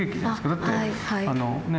だってね